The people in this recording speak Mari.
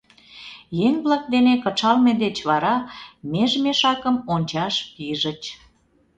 Еҥ-влак дене кычалме деч вара меж мешакым ончаш пижыч.